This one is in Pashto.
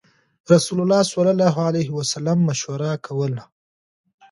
رسول الله صلی الله عليه وسلم مشوره کوله.